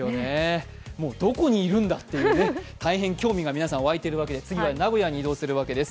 どこにいるんだっていう興味が皆さんわいているわけで次は名古屋に移動するわけです。